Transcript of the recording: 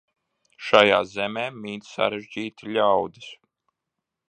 Šajā zemē mīt sarežģīti ļaudis.